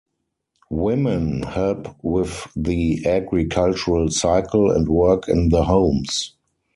Women help with the agricultural cycle and work in the homes.